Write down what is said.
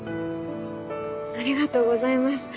ありがとうございます。